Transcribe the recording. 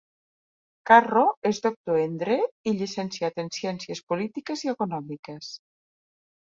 Carro és doctor en Dret i llicenciat en Ciències Polítiques i Econòmiques.